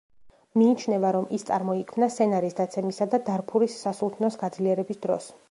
მიიჩნევა, რომ ის წარმოიქმნა სენარის დაცემისა და დარფურის სასულთნოს გაძლიერების დროს.